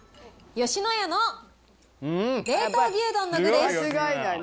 吉野家の冷凍牛丼の具です。